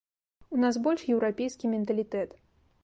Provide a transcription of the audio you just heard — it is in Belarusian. У нас больш еўрапейскі менталітэт.